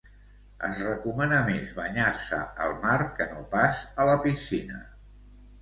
Es recomana més banyar-se al mar que no pas a la piscina.